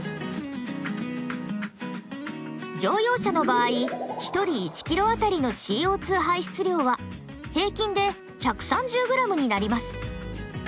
乗用車の場合１人１ｋｍあたりのＣＯ排出量は平均で１３０ｇになります。